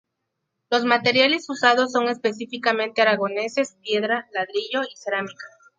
Los materiales usados son específicamente aragoneses: piedra, ladrillo y cerámica.